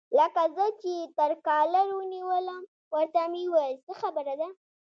لکه زه چې یې تر کالر ونیولم، ورته مې وویل: څه خبره ده؟